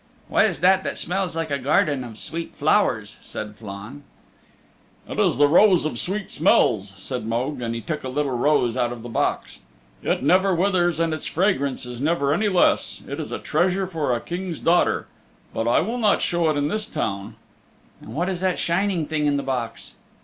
"What is that that smells like a garden of sweet flowers?" said Flann. "It is the Rose of Sweet Smells," said Mogue, and he took a little rose out of the box. "It never withers and its fragrance is never any less. It is a treasure for a King's daughter. But I will not show it in this town." "And what is that shining thing in the box?"